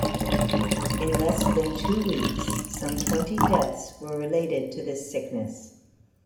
In less than two weeks, some twenty deaths were related to this sickness.